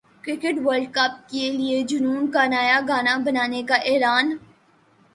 cricket world cup کے لیے جنون کا نیا گانا بنانے کا اعلان